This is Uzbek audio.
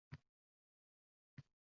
Men yoshlik chog’imda o’qib oldim.